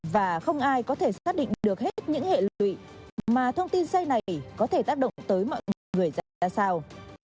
và không ai có thể xác định được hết những hệ lụy mà thông tin sai này có thể tác động tới mọi người ra sao